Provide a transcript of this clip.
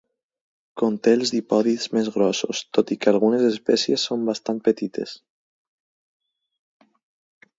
Conté els dipòdids més grossos, tot i que algunes espècies són bastant petites.